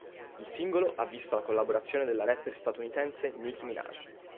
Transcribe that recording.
Il singolo ha visto la collaborazione della rapper statunitense Nicki Minaj.